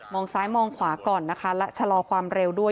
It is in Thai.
องซ้ายมองขวาก่อนนะคะและชะลอความเร็วด้วย